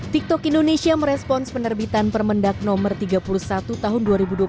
tiktok indonesia merespons penerbitan permendak no tiga puluh satu tahun dua ribu dua puluh satu